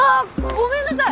ごめんなさい！